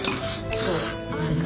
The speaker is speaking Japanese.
そう。